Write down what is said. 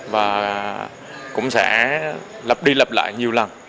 và cũng sẽ lập đi lập lại nhiều lần